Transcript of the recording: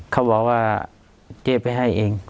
เขาบอกว่าเจ๊ไปให้เอง